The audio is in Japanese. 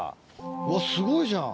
うわすごいじゃん。